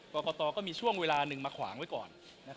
กรกตก็มีช่วงเวลาหนึ่งมาขวางไว้ก่อน